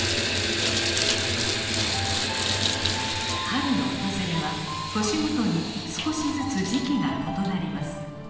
春の訪れは年ごとに少しずつ時期が異なります。